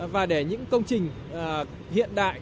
và để những công trình hiện đại